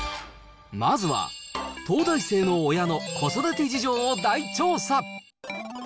まずは、東大生の親の子育て事情を大調査。